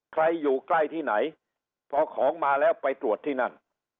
อยู่ใกล้ที่ไหนพอของมาแล้วไปตรวจที่นั่น